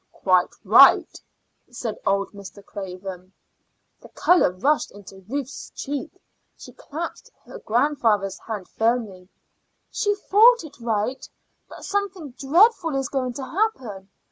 "Quite right," said old Mr. Craven. The color rushed into Ruth's cheeks. She clasped her grandfather's hand firmly. "She thought it right, but something dreadful is going to happen.